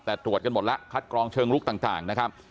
แต่ตรวจกันหมดแล้วคัดกรองเชิงลุกต่างนะครับ